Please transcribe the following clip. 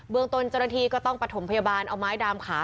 เบื้องตนจรฐีก็ต้องประถมพยาบาลเอาไม้ดามขา